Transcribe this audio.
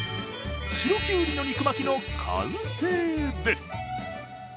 白きゅうりの肉巻きの完成です。